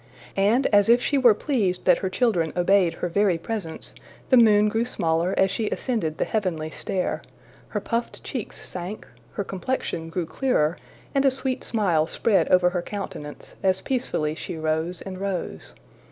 And as if she were pleased that her children obeyed her very presence, the moon grew smaller as she ascended the heavenly stair; her puffed cheeks sank, her complexion grew clearer, and a sweet smile spread over her countenance, as peacefully she rose and rose.